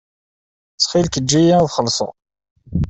Ttxil-k eǧǧ-iyi ad xellṣeɣ.